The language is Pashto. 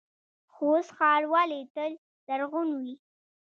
خوست ښار ولې تل زرغون وي؟